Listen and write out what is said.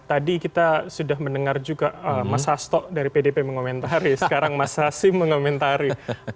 tadi kita sudah mendengar juga mas hasto dari pdp mengomentari sekarang mas hashim mengomentari